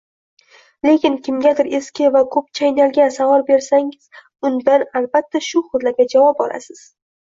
Lekin kimgadir eski va koʻp chaynalgan savol bersangiz, undan albatta shu xildagi javobni olasiz